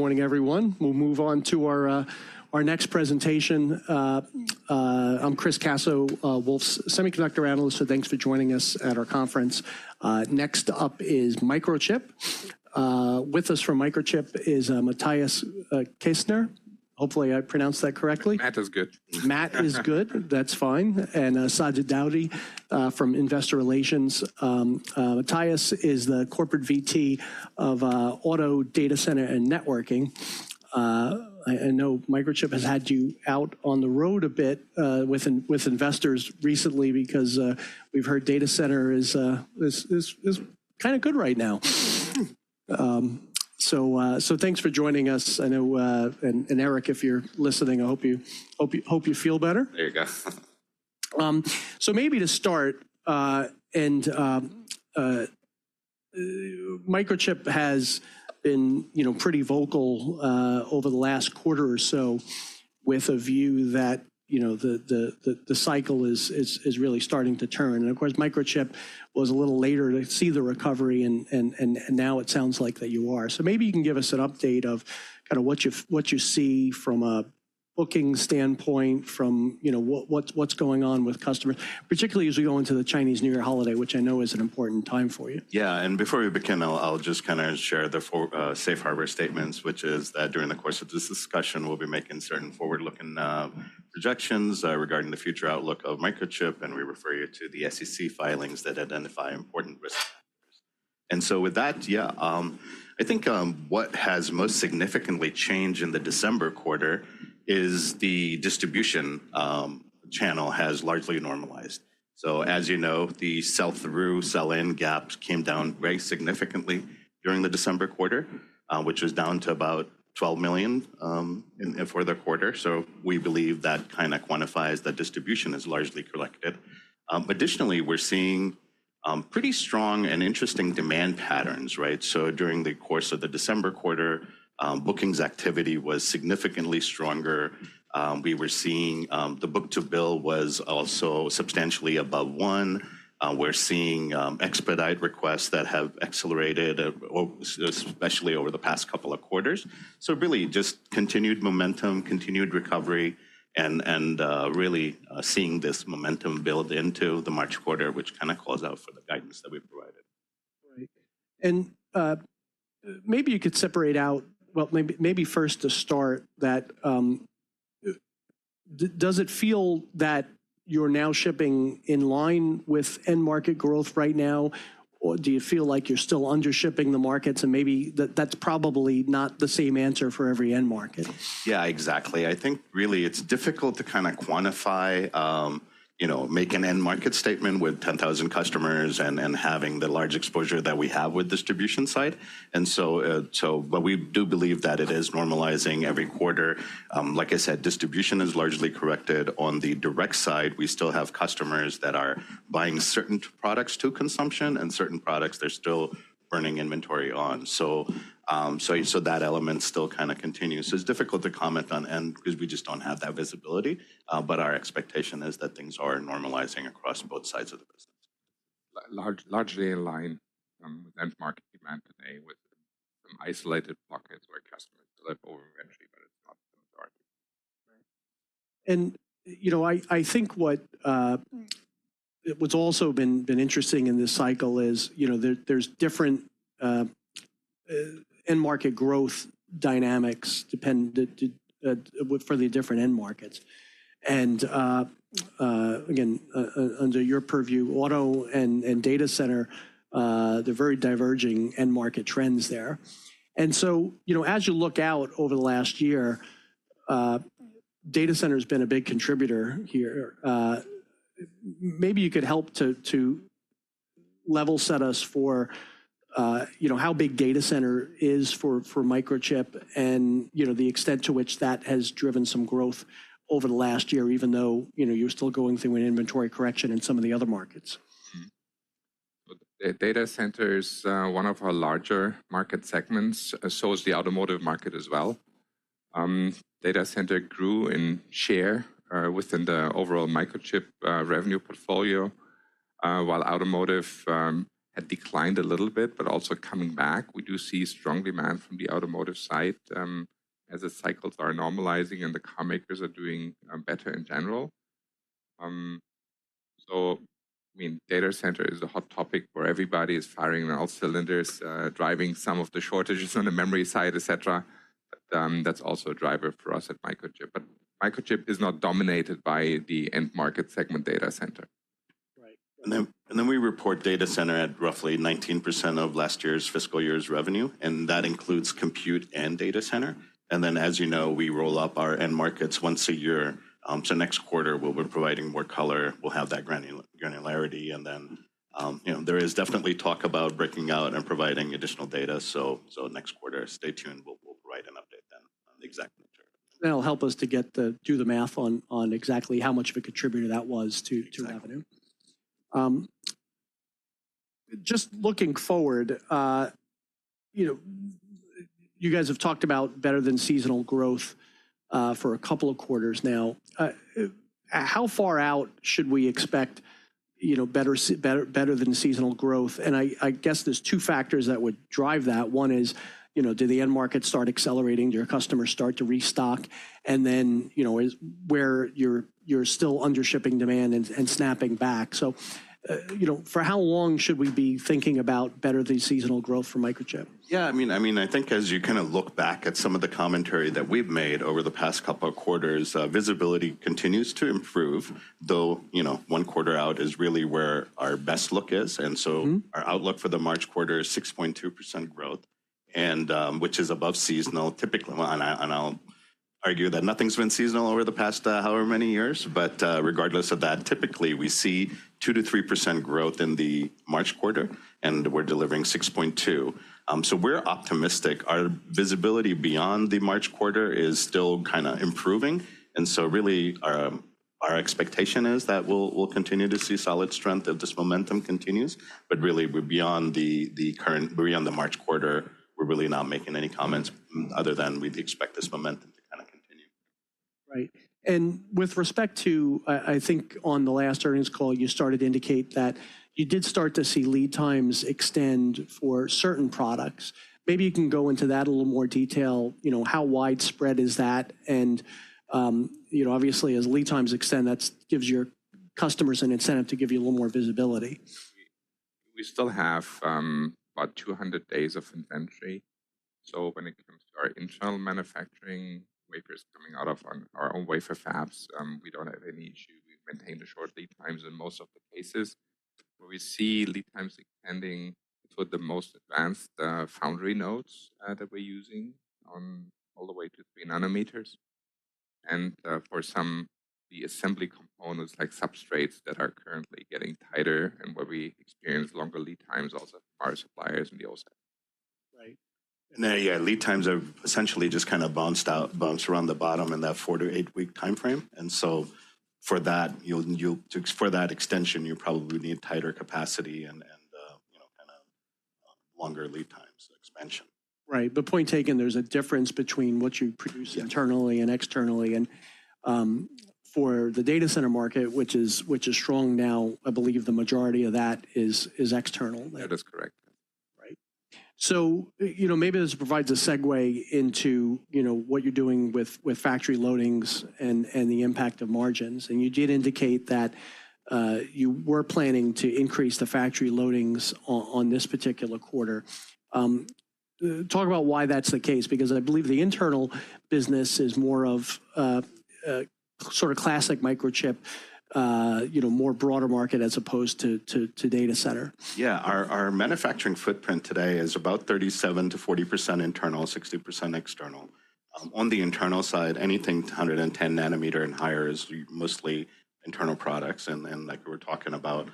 Good morning, everyone. We'll move on to our next presentation. I'm Chris Caso, Wolfe's Semiconductor Analyst, so thanks for joining us at our conference. Next up is Microchip. With us from Microchip is Matthias Kaestner. Hopefully I pronounced that correctly. Matt is good. Matt is good. That's fine. And Sajid Daudi from Investor Relations. Matthias is the corporate VP of Auto, Data Center, and Networking. I know Microchip has had you out on the road a bit with investors recently because we've heard data center is kind of good right now. So thanks for joining us. I know, and Eric, if you're listening, I hope you feel better. There you go. So maybe to start, Microchip has been, you know, pretty vocal over the last quarter or so with a view that, you know, the cycle is really starting to turn. And of course, Microchip was a little later to see the recovery, and now it sounds like that you are. So maybe you can give us an update of kind of what you see from a booking standpoint, from, you know, what's going on with customers, particularly as we go into the Chinese New Year holiday, which I know is an important time for you. Yeah, and before we begin, I'll just kind of share the four safe harbor statements, which is that during the course of this discussion, we'll be making certain forward-looking projections regarding the future outlook of Microchip, and we refer you to the SEC filings that identify important risk factors. And so with that, yeah, I think what has most significantly changed in the December quarter is the distribution channel has largely normalized. So as you know, the sell-through/sell-in gaps came down very significantly during the December quarter, which was down to about $12 million for the quarter. So we believe that kind of quantifies that distribution is largely corrected. Additionally, we're seeing pretty strong and interesting demand patterns, right? So during the course of the December quarter, bookings activity was significantly stronger. We were seeing the book-to-bill was also substantially above 1. We're seeing expedite requests that have accelerated, especially over the past couple of quarters. So really just continued momentum, continued recovery, and, and, really, seeing this momentum build into the March quarter, which kind of calls out for the guidance that we provided. Right. And, maybe you could separate out, well, maybe first to start that, does it feel that you're now shipping in line with end-market growth right now, or do you feel like you're still undershipping the markets and maybe that's probably not the same answer for every end market? Yeah, exactly. I think really it's difficult to kind of quantify, you know, make an end-market statement with 10,000 customers and having the large exposure that we have with distribution side. So but we do believe that it is normalizing every quarter. Like I said, distribution is largely corrected on the direct side. We still have customers that are buying certain products to consumption and certain products they're still burning inventory on. So that element still kind of continues. So it's difficult to comment on end because we just don't have that visibility. But our expectation is that things are normalizing across both sides of the business. Largely in line with end-market demand today with some isolated pockets where customers delever over-inventory, but it's not the majority. Right. And, you know, I think what's also been interesting in this cycle is, you know, there's different end-market growth dynamics depending on the different end markets. And, again, under your purview, auto and data center, they're very diverging end-market trends there. And so, you know, as you look out over the last year, data center has been a big contributor here. Maybe you could help to level set us for, you know, how big data center is for Microchip and, you know, the extent to which that has driven some growth over the last year, even though, you know, you're still going through an inventory correction in some of the other markets. Data center is one of our larger market segments. So is the automotive market as well. Data center grew in share within the overall Microchip revenue portfolio, while automotive had declined a little bit, but also coming back. We do see strong demand from the automotive side, as the cycles are normalizing and the car makers are doing better in general. So, I mean, data center is a hot topic where everybody is firing all cylinders, driving some of the shortages on the memory side, etc. But that's also a driver for us at Microchip. But Microchip is not dominated by the end-market segment data center. Right. And then we report data center at roughly 19% of last year's fiscal year's revenue, and that includes compute and data center. And then, as you know, we roll up our end markets once a year. So next quarter we'll be providing more color. We'll have that granularity. And then, you know, there is definitely talk about breaking out and providing additional data. So next quarter, stay tuned. We'll provide an update then on the exact nature. That'll help us get to do the math on exactly how much of a contributor that was to revenue. Just looking forward, you know, you guys have talked about better than seasonal growth for a couple of quarters now. How far out should we expect, you know, better than seasonal growth? And I guess there's two factors that would drive that. One is, you know, did the end market start accelerating? Did your customers start to restock? And then, you know, is where you're still under-shipping demand and snapping back. So, you know, for how long should we be thinking about better than seasonal growth for Microchip? Yeah, I mean, I think as you kind of look back at some of the commentary that we've made over the past couple of quarters, visibility continues to improve, though, you know, one quarter out is really where our best look is. And so our outlook for the March quarter is 6.2% growth, which is above seasonal. Typically, I'll argue that nothing's been seasonal over the past, however many years, but, regardless of that, typically we see 2%-3% growth in the March quarter, and we're delivering 6.2%. So we're optimistic. Our visibility beyond the March quarter is still kind of improving. And so really our expectation is that we'll continue to see solid strength if this momentum continues. But really we're beyond the current; we're beyond the March quarter. We're really not making any comments other than we'd expect this momentum to kind of continue. Right. And with respect to, I think on the last earnings call you started to indicate that you did start to see lead times extend for certain products. Maybe you can go into that a little more detail, you know, how widespread is that and, you know, obviously as lead times extend that gives your customers an incentive to give you a little more visibility. We still have about 200 days of inventory. So when it comes to our internal manufacturing, wafers coming out of our own wafer fabs, we don't have any issue. We maintain the short lead times in most of the cases. Where we see lead times extending for the most advanced foundry nodes that we're using on all the way to 3 nanometers. And, for some, the assembly components like substrates that are currently getting tighter and where we experience longer lead times also from our suppliers in the OSAT side. Right. And then, yeah, lead times have essentially just kind of bounced around the bottom in that 4-8-week timeframe. And so for that, you'll for that extension, you probably need tighter capacity and, you know, kind of longer lead times expansion. Right. But point taken, there's a difference between what you produce internally and externally. And, for the data center market, which is strong now, I believe the majority of that is external. That is correct. Right. So, you know, maybe this provides a segue into, you know, what you're doing with factory loadings and the impact of margins. You did indicate that you were planning to increase the factory loadings on this particular quarter. Talk about why that's the case, because I believe the internal business is more of sort of classic Microchip, you know, more broader market as opposed to data center. Yeah, our, our manufacturing footprint today is about 37%-40% internal, 60% external. On the internal side, anything 110 nanometer and higher is mostly internal products. And, and like we were talking about,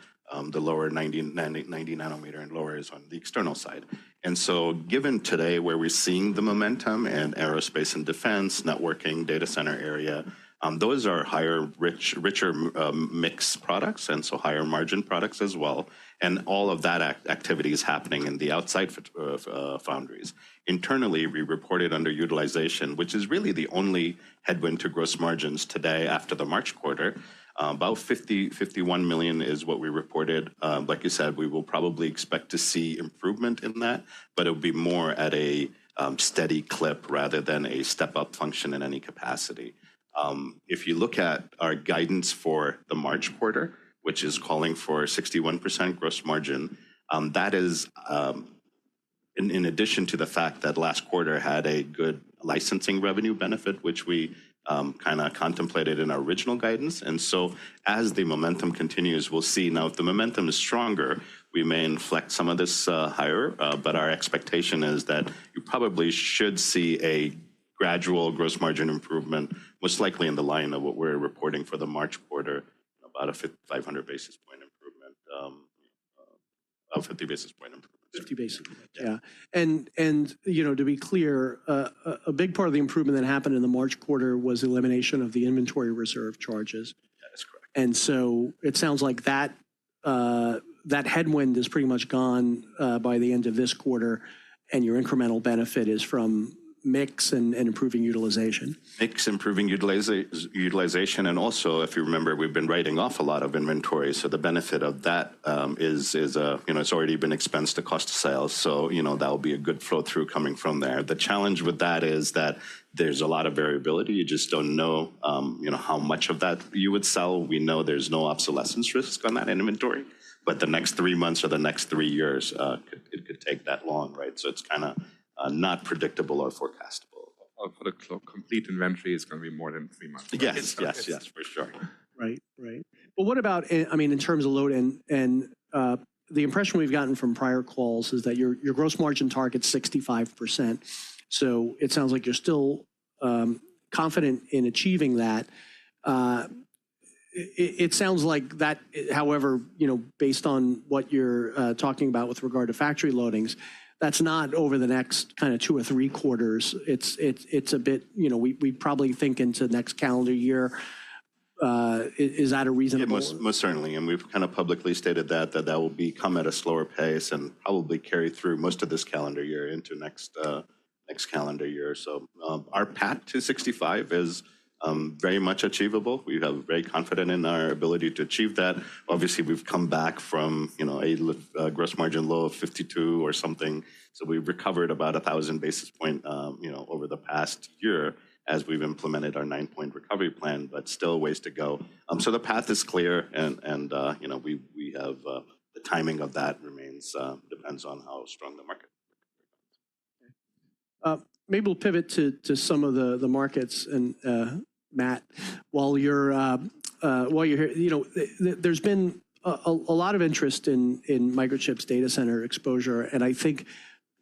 the lower 90, 90 nanometer and lower is on the external side. And so given today where we're seeing the momentum in aerospace and defense, networking, data center area, those are higher rich, richer, mixed products and so higher margin products as well. And all of that activity is happening in the outside foundries. Internally, we reported underutilization, which is really the only headwind to gross margins today after the March quarter. About $50 million-$51 million is what we reported. Like you said, we will probably expect to see improvement in that, but it'll be more at a, steady clip rather than a step-up function in any capacity. If you look at our guidance for the March quarter, which is calling for 61% gross margin, that is, in, in addition to the fact that last quarter had a good licensing revenue benefit, which we, kind of contemplated in our original guidance. And so as the momentum continues, we'll see now if the momentum is stronger, we may inflect some of this, higher, but our expectation is that you probably should see a gradual gross margin improvement, most likely in the line of what we're reporting for the March quarter, about a 500 basis point improvement, about 50 basis point improvement. 50 basis point, yeah. You know, to be clear, a big part of the improvement that happened in the March quarter was elimination of the inventory reserve charges. That is correct. And so it sounds like that, that headwind is pretty much gone by the end of this quarter, and your incremental benefit is from mix and, and improving utilization. Mix, improving utilization, and also if you remember, we've been writing off a lot of inventory. So the benefit of that is, you know, it's already been expensed to cost of sales. So, you know, that'll be a good flow through coming from there. The challenge with that is that there's a lot of variability. You just don't know, you know, how much of that you would sell. We know there's no obsolescence risks on that inventory, but the next three months or the next three years, it could take that long, right? So it's kind of not predictable or forecastable. I'll put a complete inventory is going to be more than three months. Yes, yes, yes. For sure. Right, right. But what about, I mean, in terms of loading, and, the impression we've gotten from prior calls is that your, your gross margin target is 65%. So it sounds like you're still confident in achieving that. It sounds like that, however, you know, based on what you're talking about with regard to factory loadings, that's not over the next kind of two or three quarters. It's a bit, you know, we probably think into next calendar year. Is that reasonable? Most certainly. And we've kind of publicly stated that that will come at a slower pace and probably carry through most of this calendar year into next calendar year. So, our path to 65% is very much achievable. We have very confident in our ability to achieve that. Obviously, we've come back from you know a gross margin low of 52% or something. So we've recovered about 1,000 basis point you know over the past year as we've implemented our nine-point recovery plan, but still ways to go. So the path is clear and you know we have the timing of that remains depends on how strong the market recovery goes. Okay, maybe we'll pivot to some of the markets. Matt, while you're here, you know, there's been a lot of interest in Microchip's data center exposure. I think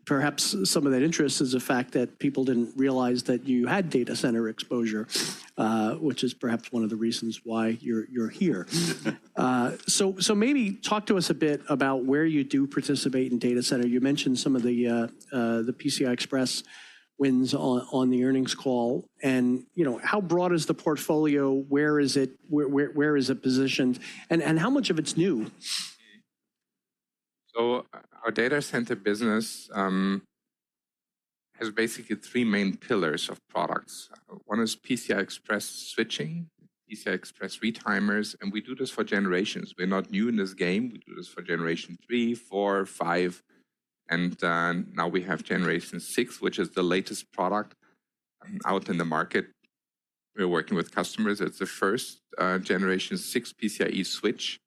perhaps some of that interest is the fact that people didn't realize that you had data center exposure, which is perhaps one of the reasons why you're here. So maybe talk to us a bit about where you do participate in data center. You mentioned some of the PCI Express wins on the earnings call. You know, how broad is the portfolio? Where is it positioned? And how much of it's new? So our data center business has basically three main pillars of products. One is PCI Express switching, PCI Express retimers, and we do this for generations. We're not new in this game. We do this for generation 3, 4, 5. Now we have generation 6, which is the latest product out in the market. We're working with customers. It's the first generation 6 PCIe switch,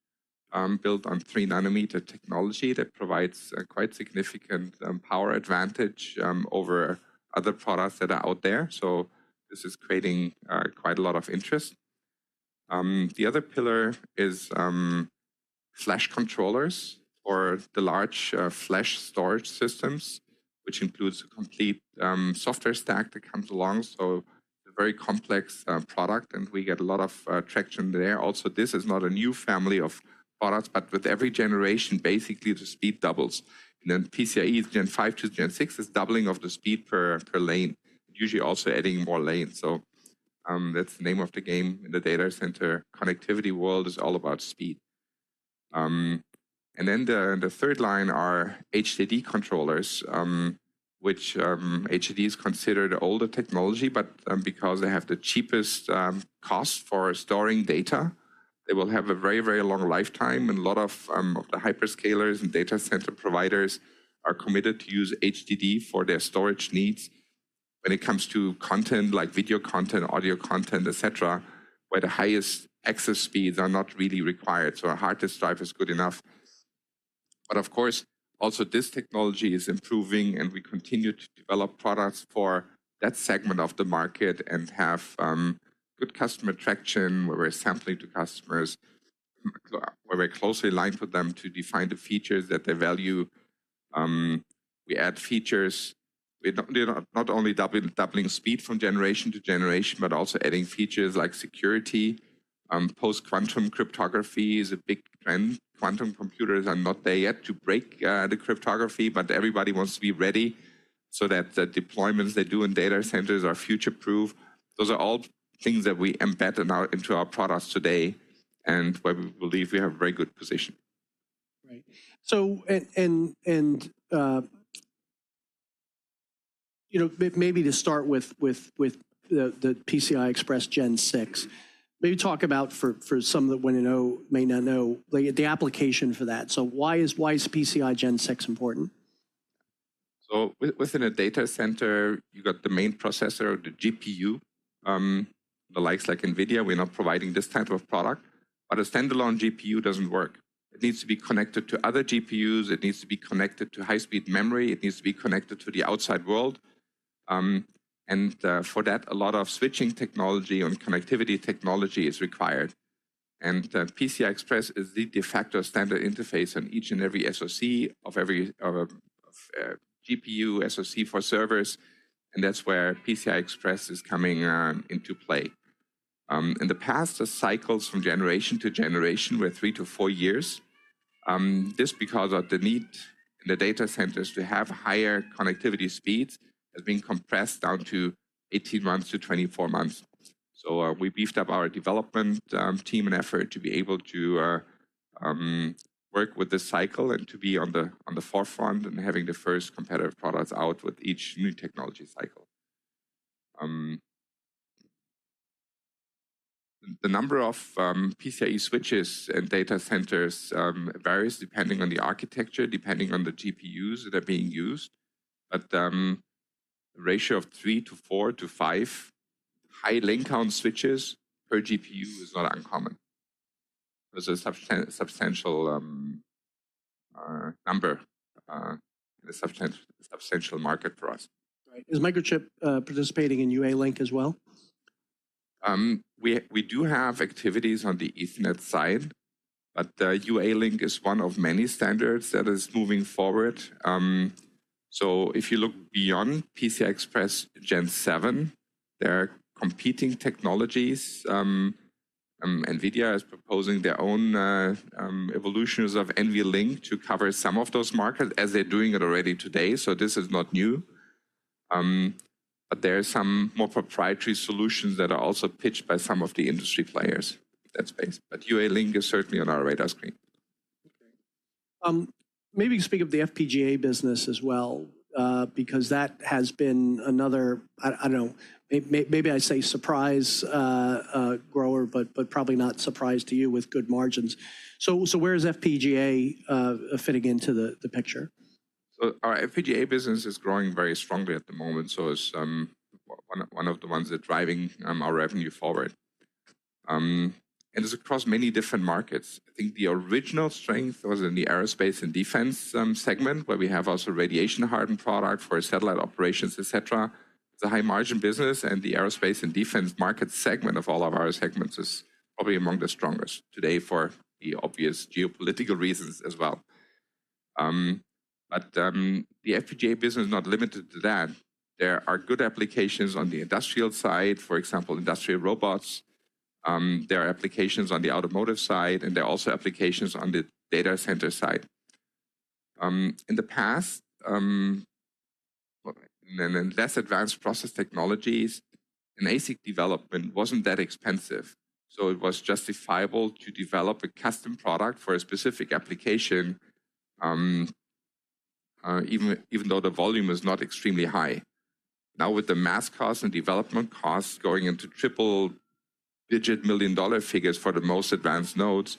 built on 3-nanometer technology that provides quite significant power advantage over other products that are out there. So this is creating quite a lot of interest. The other pillar is flash controllers or the large flash storage systems, which includes a complete software stack that comes along. So it's a very complex product and we get a lot of traction there. Also, this is not a new family of products, but with every generation, basically the speed doubles. Then PCIe Gen 5 to Gen 6 is doubling of the speed per, per lane, usually also adding more lanes. So, that's the name of the game in the data center connectivity world is all about speed. Then the, the third line are HDD controllers, which, HDD is considered older technology, but, because they have the cheapest, cost for storing data, they will have a very, very long lifetime. And a lot of, of the hyperscalers and data center providers are committed to use HDD for their storage needs. When it comes to content like video content, audio content, etc., where the highest access speeds are not really required. So a hard disk drive is good enough. But of course, also this technology is improving and we continue to develop products for that segment of the market and have good customer traction where we're sampling to customers, where we're closely aligned with them to define the features that they value. We add features. We're not only doubling speed from generation to generation, but also adding features like security. Post-Quantum Cryptography is a big trend. Quantum computers are not there yet to break the cryptography, but everybody wants to be ready so that the deployments they do in data centers are future-proof. Those are all things that we embed in our products today and where we believe we have a very good position. Right. So, you know, maybe to start with the PCI Express Gen 6, maybe talk about for some that want to know, may not know, like the application for that. So why is PCI Gen 6 important? So within a data center, you got the main processor, the GPU, the likes like NVIDIA. We're not providing this type of product, but a standalone GPU doesn't work. It needs to be connected to other GPUs. It needs to be connected to high-speed memory. It needs to be connected to the outside world. And for that, a lot of switching technology and connectivity technology is required. And PCI Express is the de facto standard interface on each and every SoC of every, of a, GPU SoC for servers. And that's where PCI Express is coming into play. In the past, the cycles from generation to generation were 3-4 years. This because of the need in the data centers to have higher connectivity speeds has been compressed down to 18 months-24 months. So, we beefed up our development team and effort to be able to work with this cycle and to be on the forefront and having the first competitive products out with each new technology cycle. The number of PCIe switches in data centers varies depending on the architecture, depending on the GPUs that are being used. But the ratio of 3:4:5 high link count switches per GPU is not uncommon. There's a substantial number in the substantial market for us. Right. Is Microchip participating in UALink as well? We do have activities on the Ethernet side, but UALink is one of many standards that is moving forward. So if you look beyond PCI Express Gen 7, there are competing technologies. NVIDIA is proposing their own evolutions of NVLink to cover some of those markets as they're doing it already today. So this is not new, but there are some more proprietary solutions that are also pitched by some of the industry players in that space. But UALink is certainly on our radar screen. Okay. Maybe speak of the FPGA business as well, because that has been another, I don't know, maybe, maybe I say surprise grower, but, but probably not surprise to you with good margins. So, so where is FPGA fitting into the, the picture? So, all right, FPGA business is growing very strongly at the moment. So it's one of the ones that's driving our revenue forward. And it's across many different markets. I think the original strength was in the Aerospace and Defense segment where we have also radiation-hardened product for satellite operations, etc. It's a high-margin business and the Aerospace and Defense market segment of all of our segments is probably among the strongest today for the obvious geopolitical reasons as well. But the FPGA business is not limited to that. There are good applications on the industrial side, for example, industrial robots. There are applications on the automotive side and there are also applications on the data center side. In the past, and then less advanced process technologies, an ASIC development wasn't that expensive. So it was justifiable to develop a custom product for a specific application, even though the volume is not extremely high. Now with the mask cost and development costs going into triple-digit million-dollar figures for the most advanced nodes,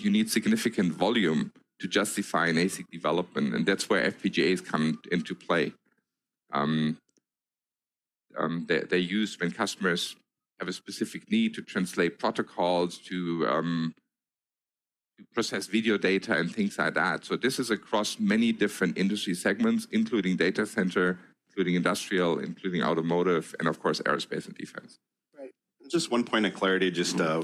you need significant volume to justify an ASIC development. And that's where FPGAs come into play. They're used when customers have a specific need to translate protocols to process video data and things like that. So this is across many different industry segments, including data center, including industrial, including automotive, and of course, aerospace and defense. Right. And just one point of clarity,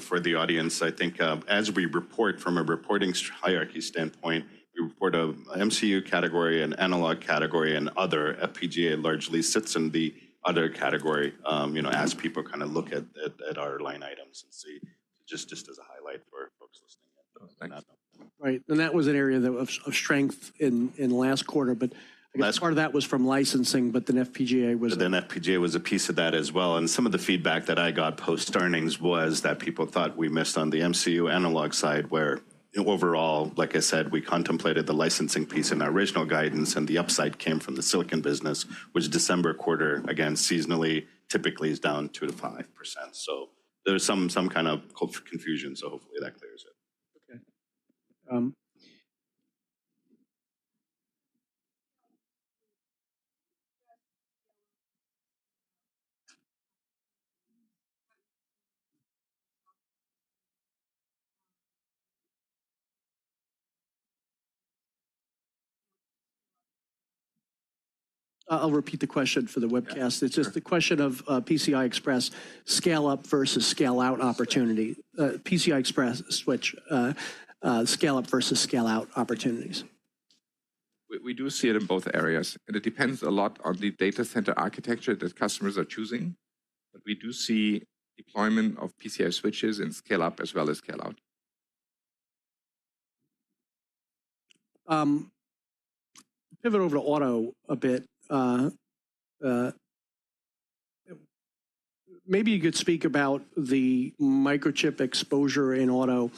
for the audience. I think, as we report from a reporting hierarchy standpoint, we report an MCU category, an analog category, and other. FPGA largely sits in the other category, you know, as people kind of look at our line items and see, just as a highlight for folks listening in. Right. And that was an area of strength in the last quarter, but I guess part of that was from licensing, but then FPGA was. FPGA was a piece of that as well. Some of the feedback that I got post-earnings was that people thought we missed on the MCU analog side where, you know, overall, like I said, we contemplated the licensing piece in our original guidance and the upside came from the silicon business, which December quarter, again, seasonally, typically is down 2%-5%. There's some kind of confusion, so hopefully that clears it. Okay. I'll repeat the question for the webcast. It's just the question of PCI Express scale-up versus scale-out opportunity, PCI Express switch, scale-up versus scale-out opportunities. We do see it in both areas. And it depends a lot on the data center architecture that customers are choosing. But we do see deployment of PCI switches in scale-up as well as scale-out. Pivot over to auto a bit. Maybe you could speak about the Microchip exposure in auto.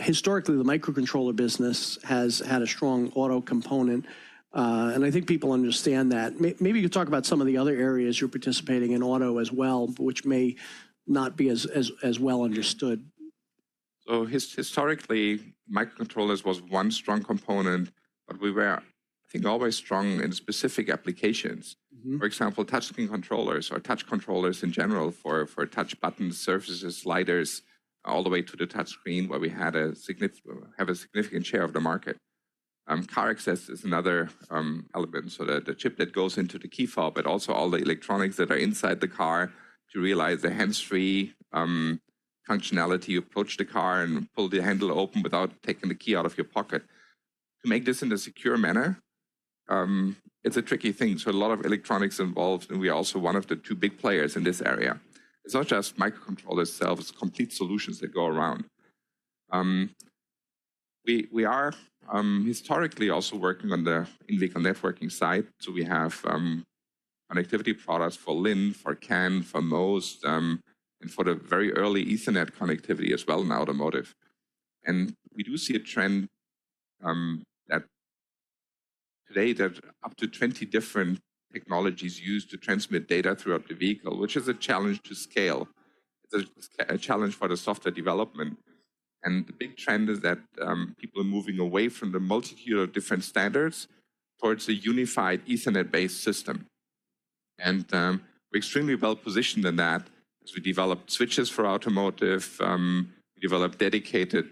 Historically, the microcontroller business has had a strong auto component. I think people understand that. Maybe you could talk about some of the other areas you're participating in auto as well, which may not be as well understood. So historically, microcontrollers was one strong component, but we were, I think, always strong in specific applications. For example, touchscreen controllers or touch controllers in general for touch buttons, surfaces, sliders, all the way to the touchscreen where we had a significant, have a significant share of the market. Car access is another element. So the chip that goes into the key fob, but also all the electronics that are inside the car to realize the hands-free functionality, approach the car and pull the handle open without taking the key out of your pocket. To make this in a secure manner, it's a tricky thing. So a lot of electronics involved and we are also one of the two big players in this area. It's not just microcontrollers itself, it's complete solutions that go around. We are historically also working on the in-vehicle networking side. So we have connectivity products for LIN, for CAN, for MOST, and for the very early Ethernet connectivity as well in automotive. And we do see a trend, that today up to 20 different technologies used to transmit data throughout the vehicle, which is a challenge to scale. It's a challenge for the software development. And the big trend is that, people are moving away from the multitude of different standards towards a unified Ethernet-based system. And we're extremely well positioned in that as we developed switches for automotive, we developed dedicated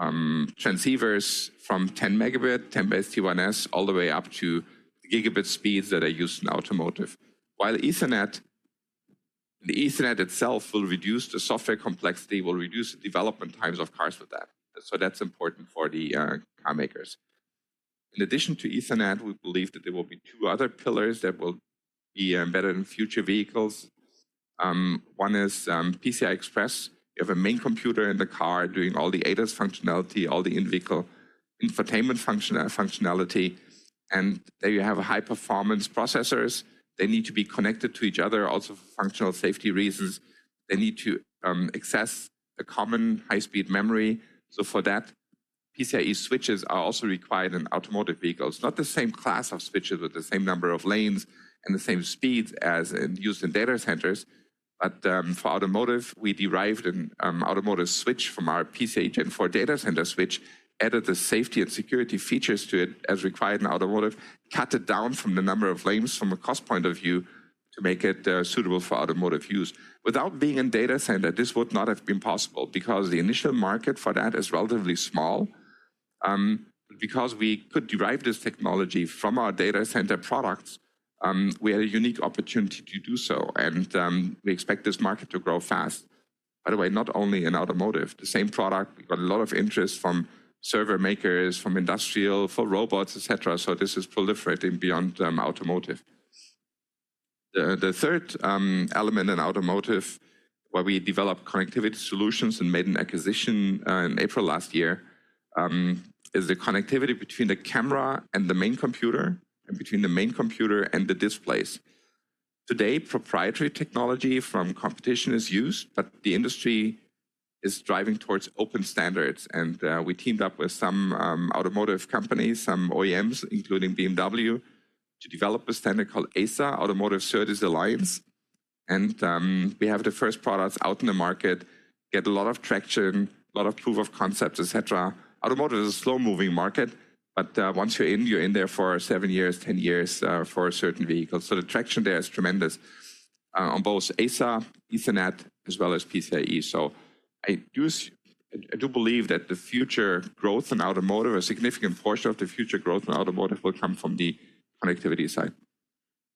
transceivers from 10 Mb 10BASE-T1S, all the way up to the gigabit speeds that are used in automotive. While Ethernet, the Ethernet itself will reduce the software complexity, will reduce the development times of cars with that. So that's important for the carmakers. In addition to Ethernet, we believe that there will be two other pillars that will be embedded in future vehicles. One is PCI Express. You have a main computer in the car doing all the ADAS functionality, all the in-vehicle infotainment functionality, and there you have high-performance processors. They need to be connected to each other also for functional safety reasons. They need to access a common high-speed memory. So for that, PCIe switches are also required in automotive vehicles. Not the same class of switches with the same number of lanes and the same speeds as is used in data centers. But for automotive, we derived an automotive switch from our PCIe Gen 4 data center switch, added the safety and security features to it as required in automotive, cut it down from the number of lanes from a cost point of view to make it suitable for automotive use. Without being in data center, this would not have been possible because the initial market for that is relatively small. But because we could derive this technology from our data center products, we had a unique opportunity to do so. We expect this market to grow fast. By the way, not only in automotive. The same product, we got a lot of interest from server makers, from industrial, for robots, etc. So this is proliferating beyond automotive. The third element in automotive where we developed connectivity solutions and made an acquisition in April last year is the connectivity between the camera and the main computer and between the main computer and the displays. Today, proprietary technology from competition is used, but the industry is driving towards open standards. We teamed up with some automotive companies, some OEMs, including BMW, to develop a standard called ASA, Automotive SerDes Alliance. We have the first products out in the market, get a lot of traction, a lot of proof of concepts, etc. Automotive is a slow-moving market, but once you're in, you're in there for 7 years, 10 years, for a certain vehicle. The traction there is tremendous, on both ASA, Ethernet, as well as PCIe. So I do, I do believe that the future growth in automotive, a significant portion of the future growth in automotive will come from the connectivity side.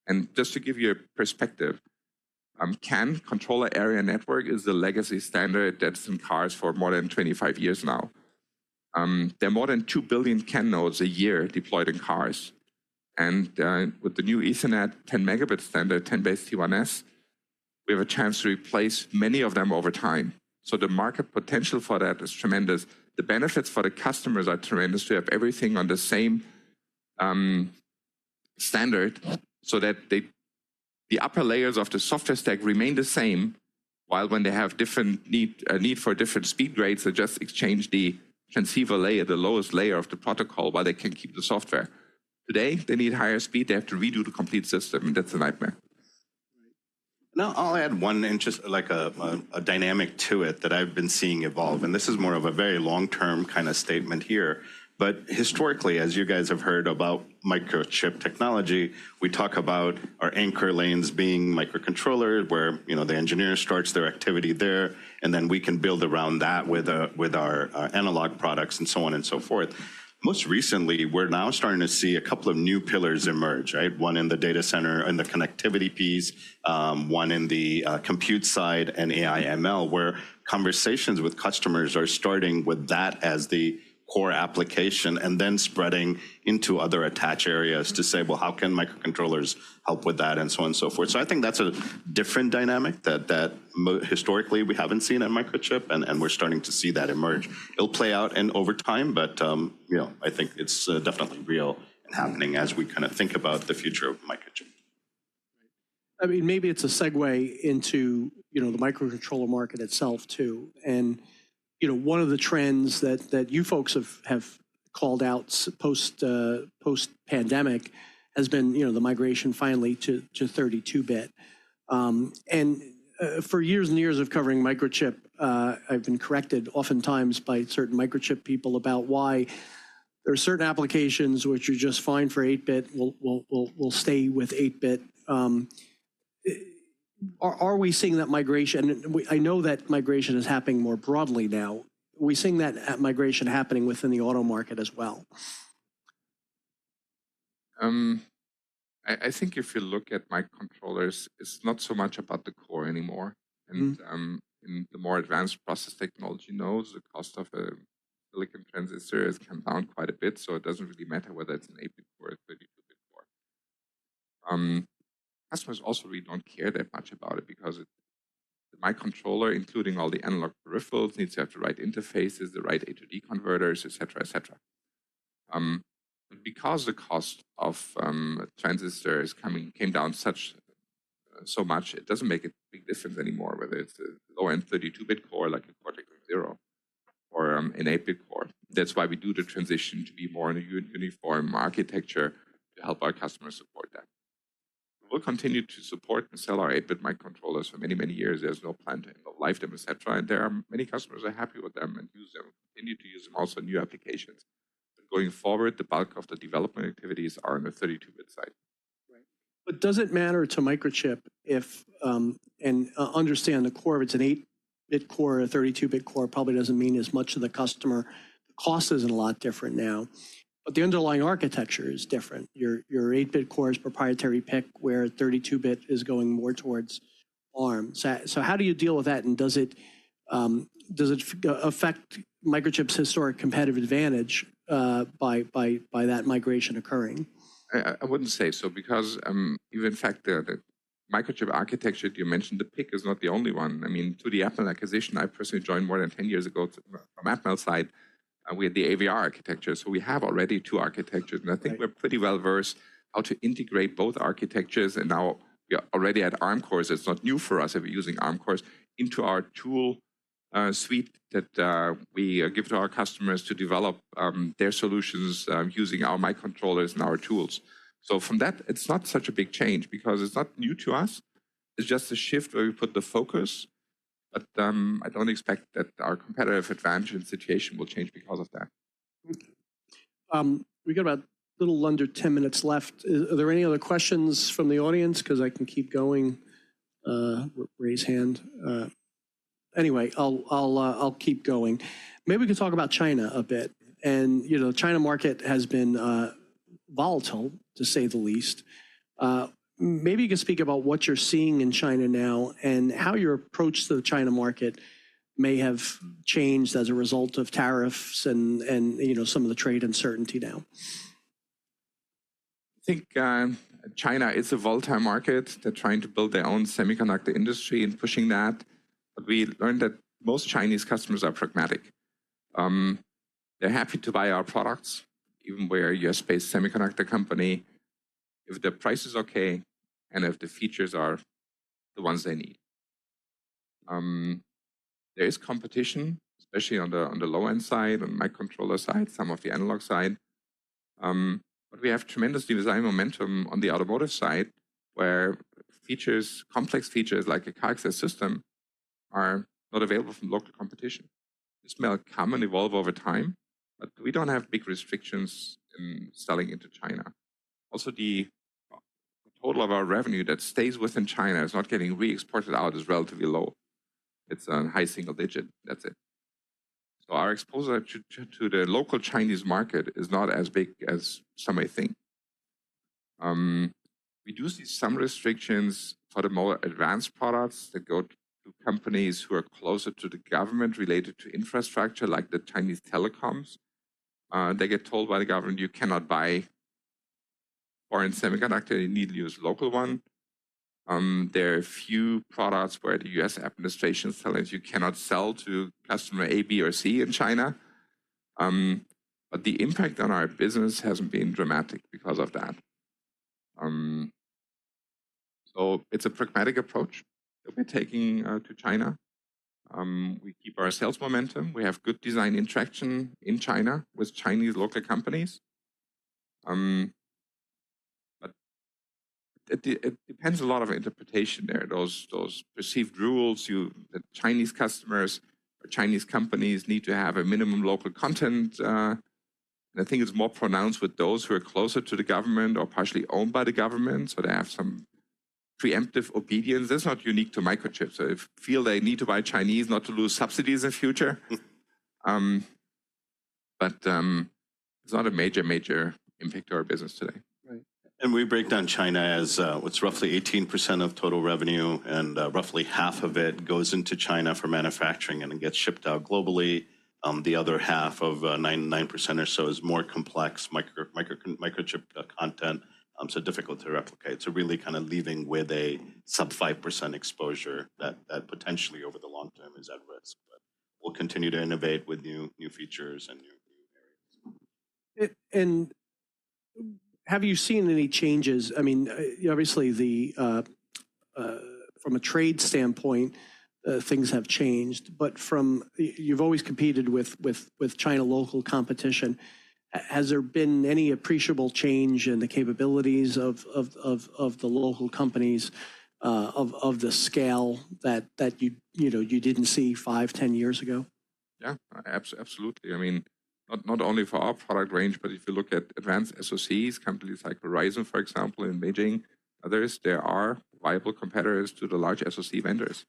And just to give you a perspective, CAN, Controller Area Network, is the legacy standard that's in cars for more than 25 years now. There are more than 2 billion CAN nodes a year deployed in cars. And, with the new Ethernet, 10 Mb standard, 10BASE-T1S, we have a chance to replace many of them over time. So the market potential for that is tremendous. The benefits for the customers are tremendous. You have everything on the same, standard so that they, the upper layers of the software stack remain the same, while when they have different need, need for different speed grades, they just exchange the transceiver layer, the lowest layer of the protocol, while they can keep the software. Today, they need higher speed. They have to redo the complete system. And that's a nightmare. Right. Now I'll add one interest, like a dynamic to it that I've been seeing evolve. And this is more of a very long-term kind of statement here. But historically, as you guys have heard about Microchip Technology, we talk about our anchor lanes being microcontrollers where, you know, the engineer starts their activity there, and then we can build around that with our analog products and so on and so forth. Most recently, we're now starting to see a couple of new pillars emerge, right? One in the data center, in the connectivity piece, one in the compute side and AI/ML where conversations with customers are starting with that as the core application and then spreading into other attach areas to say, well, how can microcontrollers help with that and so on and so forth? So I think that's a different dynamic that historically we haven't seen in Microchip and we're starting to see that emerge. It'll play out over time, but you know, I think it's definitely real and happening as we kind of think about the future of Microchip. Right. I mean, maybe it's a segue into, you know, the microcontroller market itself too. And, you know, one of the trends that you folks have called out post-pandemic has been, you know, the migration finally to 32-bit. And, for years and years of covering Microchip, I've been corrected oftentimes by certain Microchip people about why there are certain applications which are just fine for 8-bit, will stay with 8-bit. Are we seeing that migration? And I know that migration is happening more broadly now. Are we seeing that migration happening within the auto market as well? I think if you look at microcontrollers, it's not so much about the core anymore. In the more advanced process technology nodes, the cost of a silicon transistor has come down quite a bit. So it doesn't really matter whether it's an 8-bit core or a 32-bit core. Customers also really don't care that much about it because the microcontroller, including all the analog peripherals, needs to have the right interfaces, the right ADC converters, etc., etc., because the cost of transistors came down so much, it doesn't make a big difference anymore whether it's a low-end 32-bit core like a Cortex-M0 or an 8-bit core. That's why we do the transition to be more in a uniform architecture to help our customers support that. We'll continue to support and sell our 8-bit microcontrollers for many, many years. There's no plan to end the life of them, etc. There are many customers that are happy with them and use them, continue to use them also in new applications. But going forward, the bulk of the development activities are on the 32-bit side. Right. But does it matter to Microchip if, and, understand the core of it's an 8-bit core, a 32-bit core probably doesn't mean as much to the customer. The cost isn't a lot different now. But the underlying architecture is different. Your, your 8-bit core is proprietary PIC where 32-bit is going more towards ARM. So, so how do you deal with that? And does it, does it affect Microchip's historic competitive advantage, by, by, by that migration occurring? I wouldn't say so. Because, you know, in fact, the microchip architecture that you mentioned, the PIC is not the only one. I mean, to the Atmel acquisition, I personally joined more than 10 years ago from Atmel's side. We had the AVR architecture. So we have already two architectures. And I think we're pretty well versed how to integrate both architectures. And now we are already at ARM cores. It's not new for us if we're using ARM cores into our tool suite that we give to our customers to develop their solutions, using our microcontrollers and our tools. So from that, it's not such a big change because it's not new to us. It's just a shift where we put the focus. But I don't expect that our competitive advantage and situation will change because of that. Okay. We got about a little under 10 minutes left. Is there any other questions from the audience? Because I can keep going. Raise hand. Anyway, I'll keep going. Maybe we could talk about China a bit. You know, the China market has been volatile, to say the least. Maybe you could speak about what you're seeing in China now and how your approach to the China market may have changed as a result of tariffs and, you know, some of the trade uncertainty now. I think China is a volatile market. They're trying to build their own semiconductor industry and pushing that. But we learned that most Chinese customers are pragmatic. They're happy to buy our products, even where we are a U.S. semiconductor company, if the price is okay and if the features are the ones they need. There is competition, especially on the low-end side, on the microcontroller side, some of the analog side. But we have tremendous design momentum on the automotive side where features, complex features like a car access system are not available from local competition. This may come and evolve over time, but we don't have big restrictions in selling into China. Also, the total of our revenue that stays within China is not getting re-exported out is relatively low. It's a high single digit. That's it. So our exposure to the local Chinese market is not as big as some may think. We do see some restrictions for the more advanced products that go to companies who are closer to the government related to infrastructure like the Chinese telecoms. They get told by the government, "You cannot buy foreign semiconductor. You need to use a local one." There are a few products where the U.S. administration's telling us, "You cannot sell to customer A, B, or C in China." But the impact on our business hasn't been dramatic because of that. So it's a pragmatic approach that we're taking, to China. We keep our sales momentum. We have good design interaction in China with Chinese local companies. But it depends a lot on interpretation there. Those perceived rules that Chinese customers or Chinese companies need to have a minimum local content. I think it's more pronounced with those who are closer to the government or partially owned by the government. So they have some preemptive obedience. That's not unique to microchips. So if you feel they need to buy Chinese, not to lose subsidies in the future. But it's not a major, major impact to our business today. Right. We break down China as what's roughly 18% of total revenue, and roughly half of it goes into China for manufacturing and it gets shipped out globally. The other half of 9% or so is more complex microchip content so difficult to replicate. So really kind of leaving with a sub-5% exposure that potentially over the long term is at risk. But we'll continue to innovate with new features and new areas. Have you seen any changes? I mean, obviously, from a trade standpoint, things have changed. But you've always competed with China local competition. Has there been any appreciable change in the capabilities of the local companies, of the scale that, you know, you didn't see five, 10 years ago? Yeah, absolutely. I mean, not only for our product range, but if you look at advanced SOCs, companies like Horizon, for example, in Beijing, others, there are viable competitors to the large SOC vendors.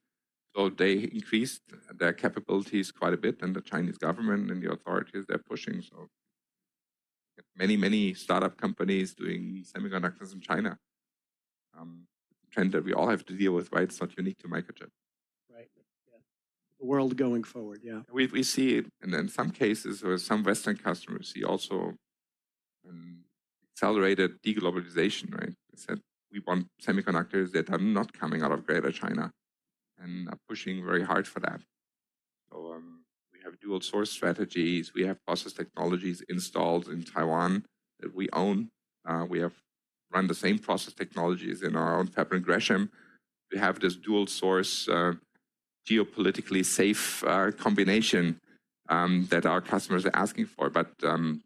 So they increased their capabilities quite a bit. And the Chinese government and the authorities, they're pushing. So many, many startup companies doing semiconductors in China. Trend that we all have to deal with, right? It's not unique to Microchip. Right. Yeah. The world going forward, yeah. We, we see it. In some cases, or some Western customers see also an accelerated deglobalization, right? They said, "We want semiconductors that are not coming out of Greater China and are pushing very hard for that." So, we have dual-source strategies. We have process technologies installed in Taiwan that we own. We have run the same process technologies in our own fab in Gresham. We have this dual-source, geopolitically safe, combination, that our customers are asking for.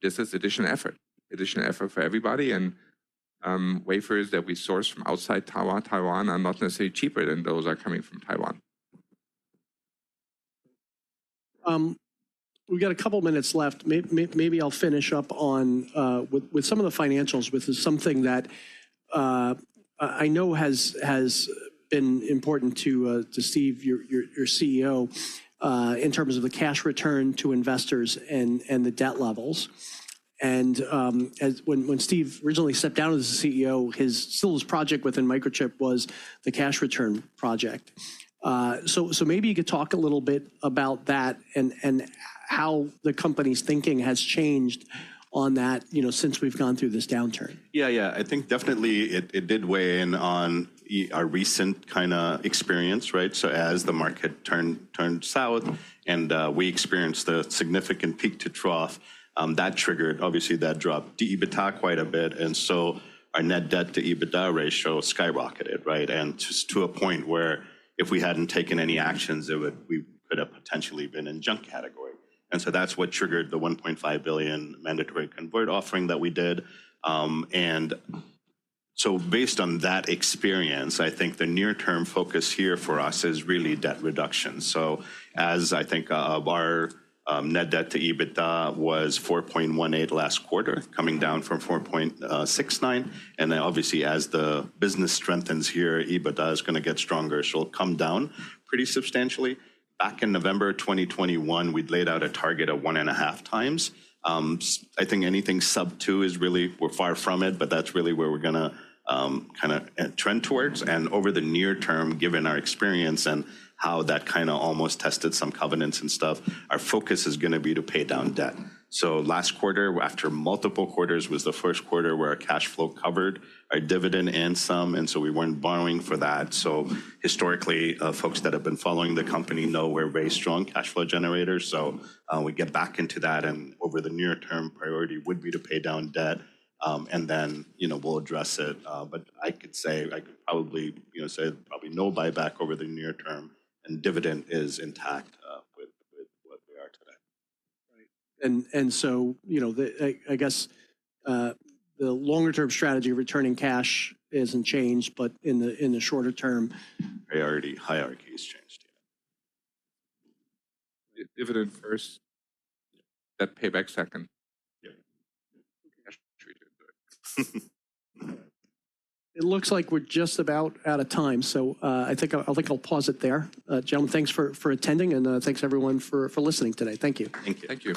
This is additional effort, additional effort for everybody. Wafers that we source from outside Taiwan are not necessarily cheaper than those that are coming from Taiwan. We got a couple minutes left. Maybe I'll finish up on with some of the financials, which is something that I know has been important to Steve, your CEO, in terms of the cash return to investors and the debt levels. And as when Steve originally stepped down as the CEO, still his project within Microchip was the cash return project. So maybe you could talk a little bit about that and how the company's thinking has changed on that, you know, since we've gone through this downturn. Yeah, yeah. I think definitely it, it did weigh in on our recent kind of experience, right? So as the market turned, turned south and, we experienced the significant peak to trough, that triggered, obviously, that dropped EBITDA quite a bit. And so our net debt to EBITDA ratio skyrocketed, right? And just to a point where if we hadn't taken any actions, it would, we could have potentially been in junk category. And so that's what triggered the $1.5 billion mandatory convertible offering that we did. And so based on that experience, I think the near-term focus here for us is really debt reduction. So as I think, of our, net debt to EBITDA was 4.18 last quarter, coming down from 4.69. And then obviously, as the business strengthens here, EBITDA is going to get stronger. So it'll come down pretty substantially. Back in November 2021, we'd laid out a target of 1.5x. I think anything sub-2 is really; we're far from it, but that's really where we're going to kind of trend towards. Over the near term, given our experience and how that kind of almost tested some covenants and stuff, our focus is going to be to pay down debt. Last quarter, after multiple quarters, was the first quarter where our cash flow covered our dividend in some. So we weren't borrowing for that. Historically, folks that have been following the company know we're very strong cash flow generators. We get back into that. Over the near term, priority would be to pay down debt. And then, you know, we'll address it. But I could say, I could probably, you know, say probably no buyback over the near term. Dividend is intact, with what we are today. Right. And so, you know, I guess, the longer-term strategy of returning cash isn't changed, but in the shorter term. Priority hierarchy is changed, yeah. Dividend first. Debt payback second. Yeah. Cash treated good. It looks like we're just about out of time. So, I think I'll, I think I'll pause it there. Gentlemen, thanks for attending. And, thanks everyone for listening today. Thank you. Thank you. Thank you.